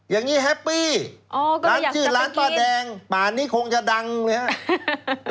อย่างนี้แฮปปี้ล้านชื่อล้านป้าแดงป่านนี้คงจะดังเลยฮะ